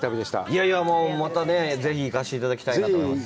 いやいや、またぜひ行かせていただきたいなと思います。